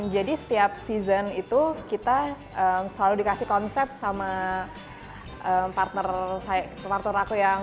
setiap season itu kita selalu dikasih konsep sama partner aku yang